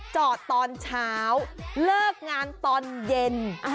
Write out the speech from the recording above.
จอดตอนเช้าเลิกงานตอนเย็น